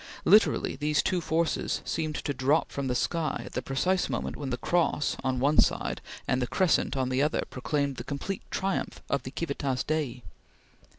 Literally, these two forces seemed to drop from the sky at the precise moment when the Cross on one side and the Crescent on the other, proclaimed the complete triumph of the Civitas Dei.